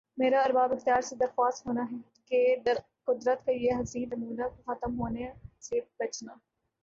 میرا ارباب اختیار سے درخواست ہونا کہ قدرت کا یِہ حسین نمونہ کو ختم ہونا سے بچنا